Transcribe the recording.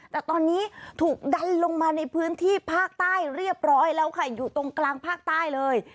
แต่ตอนนี้ถูกดันลงมาในพื้นที่ภาคใต้เรียบร้อยแล้วค่ะอยู่ตรงกลางภาคใต้เลย